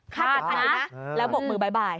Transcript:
ขาดอยู่ในนั้นแล้วบอกมือบ๊ายบาย